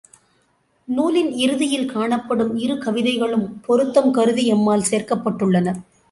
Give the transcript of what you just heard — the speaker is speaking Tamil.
நூலின் இறுதியில் காணப்படும் இரு கவிதைகளும் பொருத்தம் கருதி எம்மால் சேர்க்கப்பட்டுள்ளன.